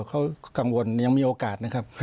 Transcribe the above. เขากังวลยังมีโอกาสนะครับ